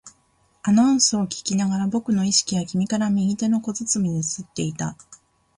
アナウンスを聞きながら、僕の意識は君から右手の小包に移っていった